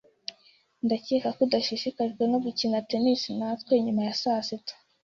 Ndakeka ko udashishikajwe no gukina tennis natwe nyuma ya saa sita.